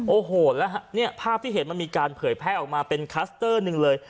โอ้โหแล้วฮะเนี่ยภาพที่เห็นมันมีการเผยแพร่ออกมาเป็นคลัสเตอร์หนึ่งเลย